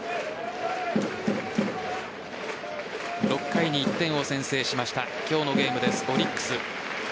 ６回に１点を先制しました今日のゲームですオリックス。